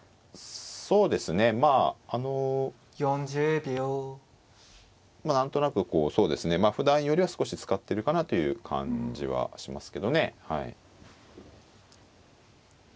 そうですねまああのまあ何となくそうですねふだんよりは少し使ってるかなという感じはしますけどね。